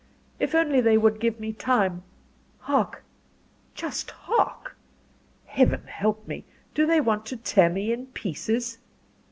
If only they would give me time hark just hark! Heaven help me! do they want to tear me in pieces?"